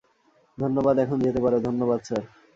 ধন্যবাদ -এখন যেতে পারো - ধন্যবাদ, স্যার।